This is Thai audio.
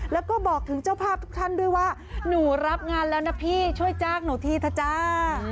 แล้วก็บอกถึงเจ้าภาพทุกท่านด้วยว่าหนูรับงานแล้วนะพี่ช่วยจ้างหนูทีเถอะจ้า